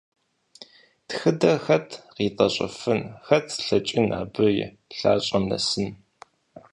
Тхыдэр хэт къитӀэщӀыфын, хэт лъэкӀын абы и лъащӀэм нэсын?